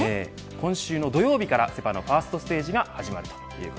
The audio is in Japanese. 今週の土曜日からセ・パのファーストステージが開幕します。